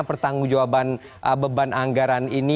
pertanggung jawaban beban anggaran ini